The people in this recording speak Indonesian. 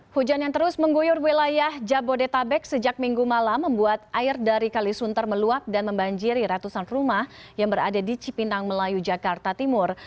hujan yang terus mengguyur wilayah jabodetabek sejak minggu malam membuat air dari kalisuntar meluap dan membanjiri ratusan rumah yang berada di cipinang melayu jakarta timur